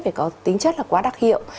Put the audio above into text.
vì có tính chất là quá đặc hiệu